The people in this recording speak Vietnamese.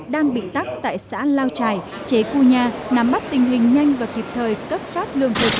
đang bị tắt tại xã lao trải chế cu nhà nắm bắt tình hình nhanh và kịp thời cấp pháp lương thực